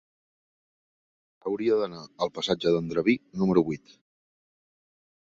Hauria d'anar al passatge d'Andreví número vuit.